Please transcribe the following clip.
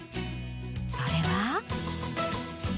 それは。